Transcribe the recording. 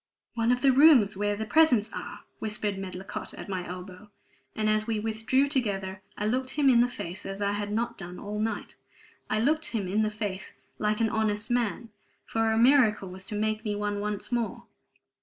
"One of the rooms where the presents are!" whispered Medlicott at my elbow. And as we withdrew together, I looked him in the face as I had not done all night. I looked him in the face like an honest man, for a miracle was to make me one once more.